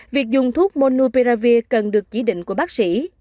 việc dùng thuốc monuperavir cần được chỉ định của bác sĩ